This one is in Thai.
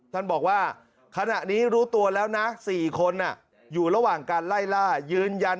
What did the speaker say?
ท่านบอกว่าขณะนี้รู้ตัวแล้วนะ๔คนอยู่ระหว่างการไล่ล่ายืนยัน